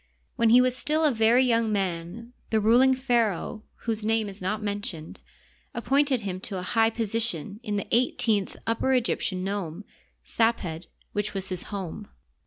When he was still a very young man the ruling pharaoh, whose name is not mentioned, appointed him to a high position in the eighteenth Upper Egyptian nome {Saped)^ which was his home.